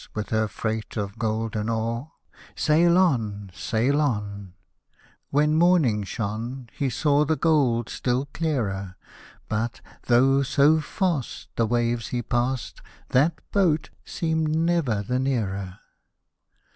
With her freight of golden ore : Sail on ! sail on !" When morning shone He saw the gold still clearer ; But, though so fast The waves he passed. That boat seemed never the nearer.